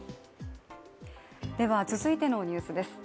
続いてのニュースです。